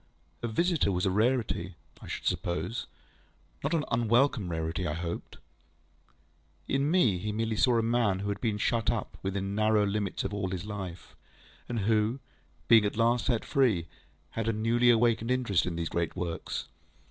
A visitor was a rarity, I should suppose; not an unwelcome rarity, I hoped? In me, he merely saw a man who had been shut up within narrow limits all his life, and who, being at last set free, had a newly awakened interest in these great works.